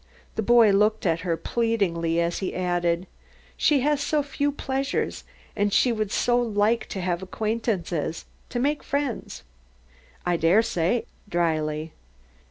The boy looked at her pleadingly as he added: "She has so few pleasures, and she would so like to have acquaintances to make friends." "I dare say," dryly.